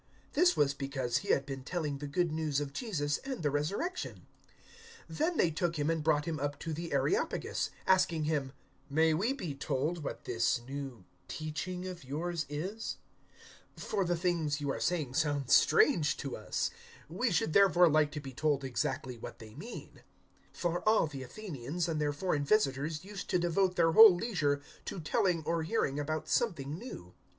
This was because he had been telling the Good News of Jesus and the Resurrection. 017:019 Then they took him and brought him up to the Areopagus, asking him, "May we be told what this new teaching of yours is? 017:020 For the things you are saying sound strange to us. We should therefore like to be told exactly what they mean." 017:021 (For all the Athenians and their foreign visitors used to devote their whole leisure to telling or hearing about something new.)